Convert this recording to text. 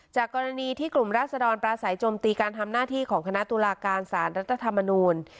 จากกรณีที่กลุ่มราศดรปราศัยจมตีการทำหน้าที่ของคณะตุลาการสารรัฐธรรมนูล